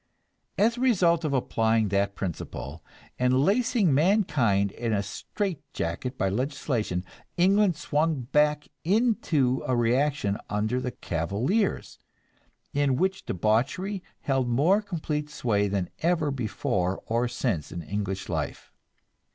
As a result of applying that principle, and lacing mankind in a straight jacket by legislation, England swung back into a reaction under the Cavaliers, in which debauchery held more complete sway than ever before or since in English life.